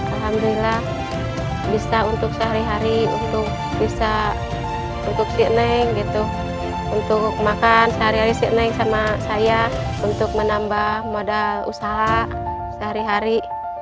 alhamdulillah bisa untuk sehari hari untuk bisa untuk sik neng gitu untuk makan sehari hari sik neng sama saya untuk menambah modal usaha sehari hari